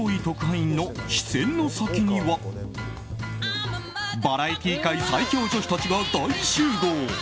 特派員の視線の先にはバラエティー界最強女子たちが大集合！